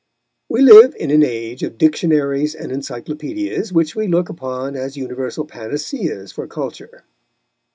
We live in an age of Dictionaries and Encyclopedias, which we look upon as universal panaceas for culture.